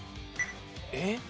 えっ？